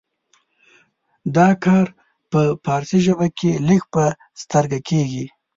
دا کار په فارسي ژبه کې لږ په سترګه کیږي.